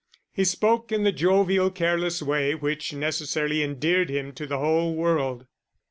He spoke in the jovial, careless way which necessarily endeared him to the whole world.